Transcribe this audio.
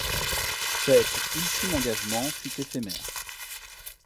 Cet ultime engagement fut éphémère.